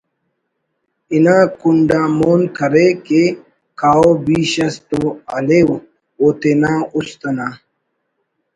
انا کنڈ آ مون کرے کہ کاو بیش اس تو ہلیو او تینا است انا